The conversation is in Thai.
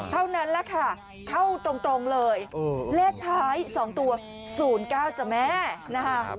เท่านั้นแหละค่ะเข้าตรงเลยเลขท้าย๒ตัว๐๙จ้ะแม่นะคะ